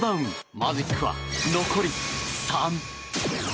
マジックは残り３。